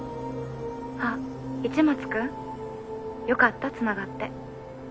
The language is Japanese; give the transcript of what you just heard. あっ市松君？よかったつながって。